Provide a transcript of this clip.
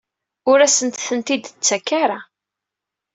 Ur asent-ten-id-tettak ara?